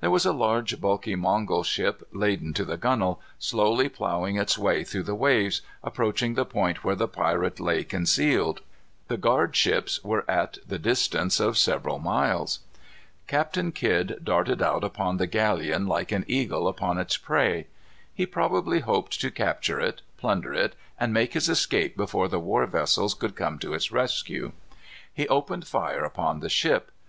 There was a large, bulky Mongol ship, laden to the gunwales, slowly ploughing its way through the waves, approaching the point where the pirate lay concealed. The guard ships were at the distance of several miles. Captain Kidd darted out upon the galleon like an eagle upon its prey. He probably hoped to capture it, plunder it, and make his escape before the war vessels could come to its rescue. He opened fire upon the ship.